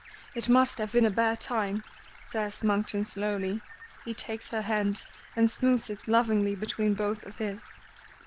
"It must have been a bad time," says Monkton slowly. He takes her hand and smoothes it lovingly between both of his.